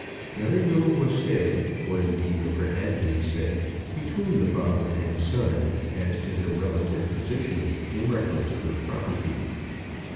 Very little was said, or indeed ever had been said, between the father and son as to their relative position in reference to the property.